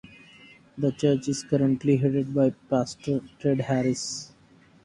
The church is currently headed by pastor Ted Harris.